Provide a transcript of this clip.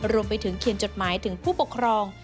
รวมไปถึงเขียนจดหมายถึงผู้ปกครอง